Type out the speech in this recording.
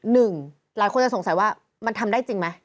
หนึ่งหลายคนจะสงสัยว่ามันทำได้จริงไหม